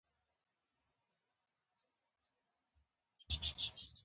بې زړه، بېرندوکی او تښتېدلی پاچا بولي.